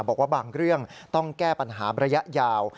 บอกว่าบางเรื่องต้องแก้ปัญหาระยะยาว